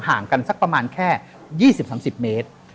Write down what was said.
ห่างกันสักประมาณแค่๒๐๓๐เมตร